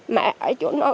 mẹ ở chỗ nào